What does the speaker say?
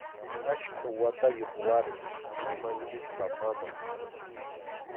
Achka watayuq warmi, mamanchikpa maman.